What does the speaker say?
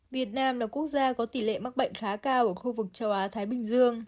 việt nam là quốc gia có tỷ lệ mắc bệnh khá cao ở khu vực châu á thái bình dương